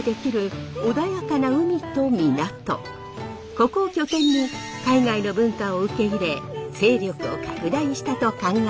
ここを拠点に海外の文化を受け入れ勢力を拡大したと考えられるのです。